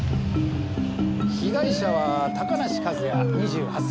被害者は高梨一弥２８歳。